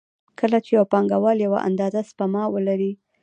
کله چې یو پانګوال یوه اندازه سپما ولري